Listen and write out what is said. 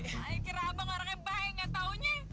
kira kira abang orang yang baik enggak taunya